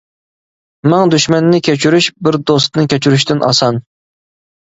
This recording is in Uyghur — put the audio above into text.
مىڭ دۈشمەننى كەچۈرۈش، بىر دوستنى كەچۈرۈشتىن ئاسان.